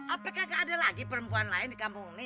apakah tidak ada lagi perempuan lain di kampung ini